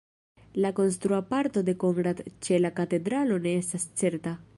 La konstrua parto de Konrad ĉe la katedralo ne estas certa.